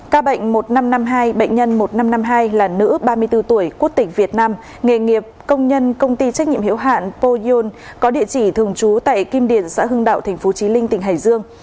ca bệnh một nghìn năm trăm năm mươi hai bệnh nhân một nghìn năm trăm năm mươi hai là nữ ba mươi bốn tuổi quốc tịch việt nam nghề nghiệp công nhân công ty trách nhiệm hiệu hạn poyon có địa chỉ thường trú tại kim điền xã hưng đạo tp trí linh tỉnh hải dương